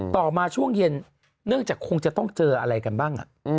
ต่อมาช่วงเย็นเนื่องจากคงจะต้องเจออะไรกันบ้าง